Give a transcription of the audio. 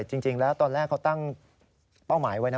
จริงแล้วตอนแรกเขาตั้งเป้าหมายไว้นะ